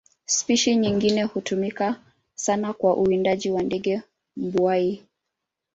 Spishi nyingine hutumika sana kwa uwindaji kwa ndege mbuai.